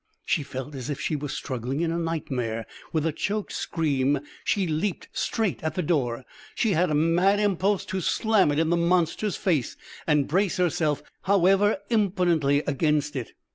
She felt as if she were struggling in a nightmare. With a choked scream she leapt straight at the door. She had a mad impulse to slam it in the monster's face and brace herself, however impotently, against it.